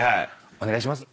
お願いします。